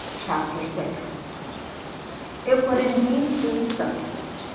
CHAPTER VI It would indeed seem so.